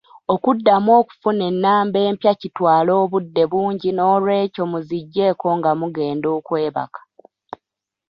Okuddamu okufuna ennamba empya kitwala obudde bungi noolwekyo mu ziggyeeko nga mugenda okwebaka.